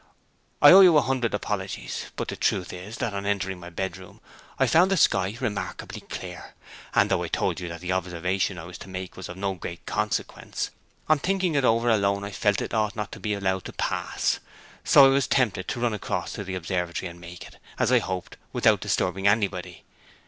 'I owe you a hundred apologies: but the truth is that on entering my bedroom I found the sky remarkably clear, and though I told you that the observation I was to make was of no great consequence, on thinking it over alone I felt it ought not to be allowed to pass; so I was tempted to run across to the observatory, and make it, as I had hoped, without disturbing anybody.